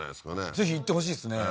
ぜひ行ってほしいですね